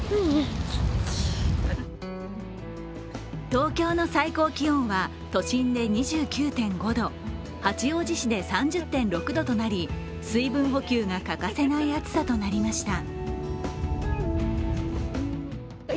東京の最高気温は都心で２９．５度、八王子市で３０．６度となり水分補給が欠かせない暑さとなりました。